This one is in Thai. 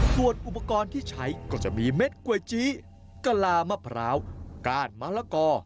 ส่วนอุปกรณ์ที่ใช้ก็จะมีเม็ดก๋วยจี้กะลามะพร้าวก้านมะละกอ